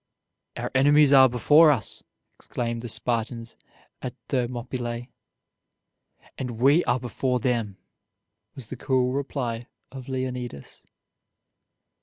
"Our enemies are before us," exclaimed the Spartans at Thermopylae. "And we are before them." was the cool reply of Leonidas.